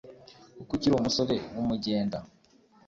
kuko ukiri umusore w’umugenda